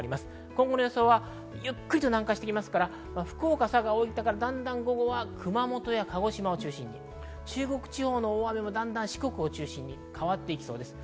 今後はゆっくりと南下してきますから福岡、佐賀、大分から、だんだん午後は熊本や鹿児島を中心に中国地方の大雨もだんだん四国を中心に変わっていきます。